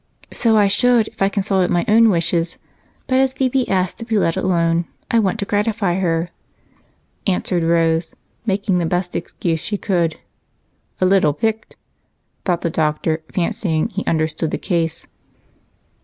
"So I should if I consulted my own wishes, but as Phebe asked to be let alone I want to gratify her," answered Rose, making the best excuse she could. "A little piqued," thought the doctor, fancying he understood the case.